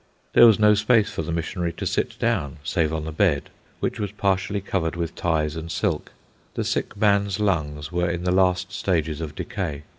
There was no space for the missionary to sit down, save on the bed, which was partially covered with ties and silk. The sick man's lungs were in the last stages of decay.